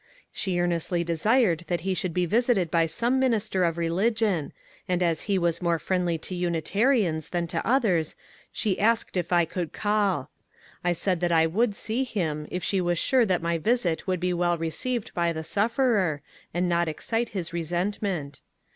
She earnestly desired that he should be visited by some minister of religion, and as he was more friendly to Unitarians than to others she asked if I could call. I said that I would see him if she was sure that my visit would be well received by the sufferer, and not excite his resentment.